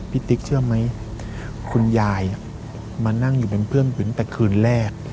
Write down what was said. ติ๊กเชื่อไหมคุณยายมานั่งอยู่เป็นเพื่อนผมแต่คืนแรก